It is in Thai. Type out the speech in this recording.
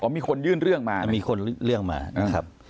มีคนยื่นเรื่องมามีคนเรื่องมานะครับ